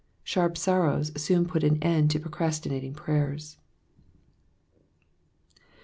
Sharp sorrows soon put an end to pro crastinating prayers.